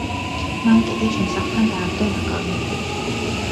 მან კიდე ჩემს სახლთან დააგდო ნაგავი